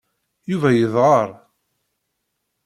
Yuba yedɣer.